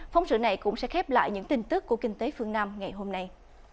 phóng sự này cũng sẽ khép lại những tin tức của kinh tế phương nam ngày hôm nay